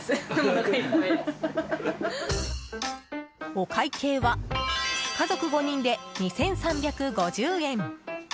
お会計は家族５人で２３５０円。